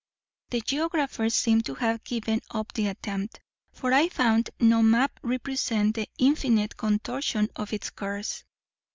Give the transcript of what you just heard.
The geographers seem to have given up the attempt; for I found no map represent the infinite contortion of its course.